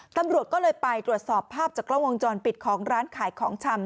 ตำรวจก็เลยไปตรวจสอบภาพจากกล้องวงจรปิดของร้านขายของชำ